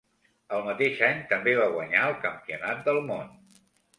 Al mateix any també va guanyar el Campionat del món.